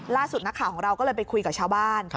ล่าสุดนักข่าวของเราก็เลยไปคุยกับชาวบ้าน